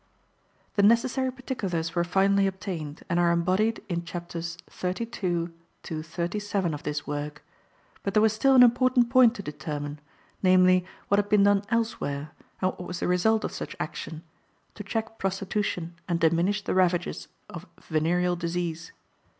The necessary particulars were finally obtained, and are embodied in Chapters XXXII. to XXXVII. of this work, but there was still an important point to determine, namely, what had been done elsewhere, and what was the result of such action, to check prostitution and diminish the ravages of venereal disease.